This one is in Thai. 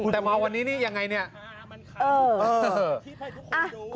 แต่วันนี้มันยังไงนี่บุกเอ่อ